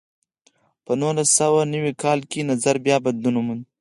په نولس سوه نوي کال کې نظر بیا بدلون وموند.